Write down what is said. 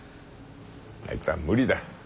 あいつは無理だ。